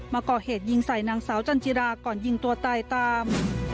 มาก่อเหตุยิงใส่นางสาวจันจิราก่อนยิงตัวตายตาม